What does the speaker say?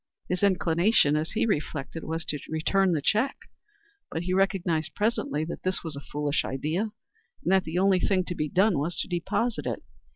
His inclination, as he reflected, was to return the check, but he recognized presently that this was a foolish idea, and that the only thing to be done was to deposit it.